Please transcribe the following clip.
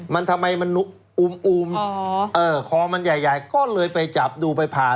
มันทำไมมันอูมคอมันใหญ่ก็เลยไปจับดูไปผ่า